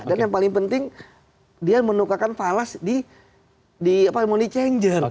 dan yang paling penting dia menukarkan falas di money changer